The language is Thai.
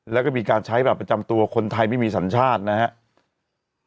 แล้วก็มีการใช้บัตรประจำตัวคนไทยไม่มีสัญชาตินะครับ